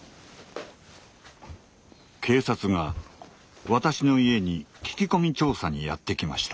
警察が私の家に聞き込み調査にやって来ました。